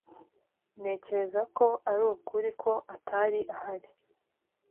Ntekereza ko ari ukuri ko atari ahari.